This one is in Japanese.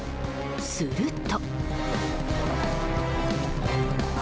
すると。